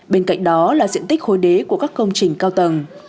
bên cạnh đó là diện tích khối đế của các công trình cao tầng